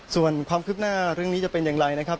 ส่วนความคืบหน้าเรื่องนี้จะเป็นอย่างไรนะครับ